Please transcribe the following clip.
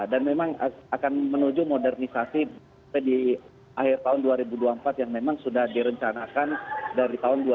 dan memang akan menuju modernisasi sampai di akhir tahun dua ribu dua puluh empat yang memang sudah direncanakan dari tahun dua ribu delapan belas